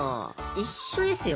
一緒ですよ。